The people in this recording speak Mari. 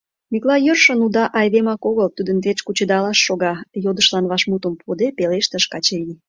— Миклай йӧршын уда айдемак огыл, тудын верч кучедалаш шога, — йодышлан вашмутым пуыде, пелештыш Качырий.